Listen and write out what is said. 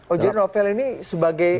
oh jadi novel ini sebagai